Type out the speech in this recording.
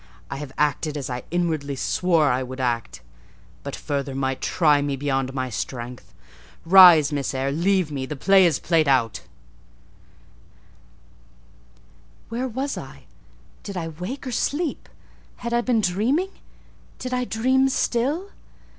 I have acted as I inwardly swore I would act; but further might try me beyond my strength. Rise, Miss Eyre: leave me; the play is played out'." Where was I? Did I wake or sleep? Had I been dreaming? Did I dream still?